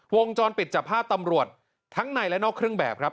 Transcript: วงจรปิดจับภาพตำรวจทั้งในและนอกเครื่องแบบครับ